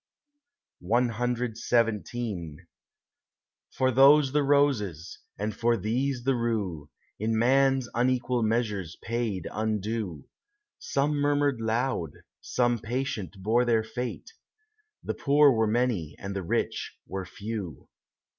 CXVII For those the roses, and for these the rue, In man's unequal measures paid undue: Some murmured loud, some patient bore their fate— The poor were many, and the rich were few.